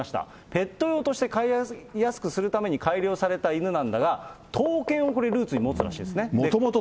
ペット用として飼いやすくするために改良された犬なんだが、闘犬をルーツに持つらしいんですね。